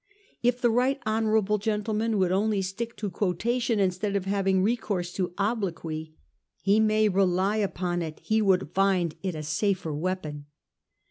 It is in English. ' If the right honourable gentleman would only stick to quotation instead of having recourse to obloquy, he may rely upon it he would find it a safer weapon.